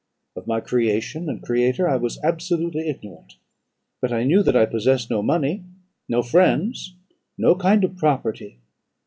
Of my creation and creator I was absolutely ignorant; but I knew that I possessed no money, no friends, no kind of property.